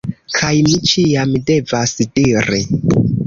Kaj mi ĉiam devas diri